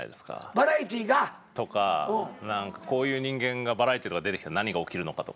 バラエティーが？とかこういう人間がバラエティー出てきたら何が起きるのかとか。